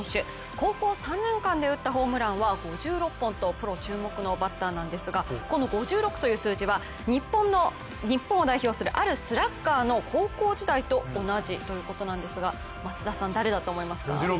高校３年間で打ったホームランは５６本とプロ注目のバッターなんですがこの５６という数字は日本を代表するあるスラッガーの高校時代と同じということなんですが松田さん、誰だと思いますか？